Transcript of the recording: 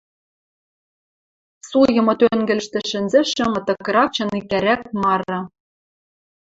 Суйымы тӧнгӹлӹштӹ шӹнзӹшӹ мытыкрак чыникӓрӓк мары